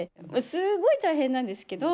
すごい大変なんですけど。